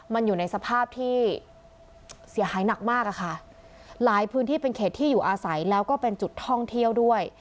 มันอยู่ในสภาพที่เสียหายหนักมากอะค่ะหลายพื้นที่เป็นเขตที่อยู่อาศัยแล้วก็เป็นจุดท่องเที่ยวด้วย